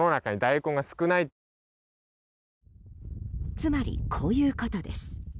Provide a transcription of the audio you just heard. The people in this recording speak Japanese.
つまり、こういうことです。